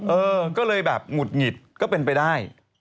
เออก็เลยแบบหงุดหงิดก็เป็นไปได้